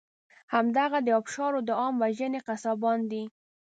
همدغه د آبشارو د عام وژنې قصابان دي.